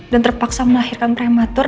dan terpaksa melahirkan prematur